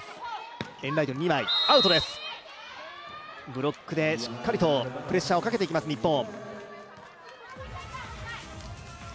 ブロックでしっかりとプレッシャーをかけていきます、日本。